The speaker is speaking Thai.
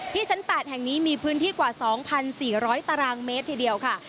ชั้น๘แห่งนี้มีพื้นที่กว่า๒๔๐๐ตารางเมตรทีเดียวค่ะ